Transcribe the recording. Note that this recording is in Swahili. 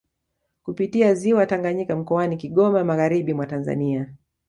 Kupitia ziwa Tanganyika mkoani Kigoma magharibi mwa Tanzania